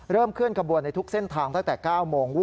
เคลื่อนขบวนในทุกเส้นทางตั้งแต่๙โมง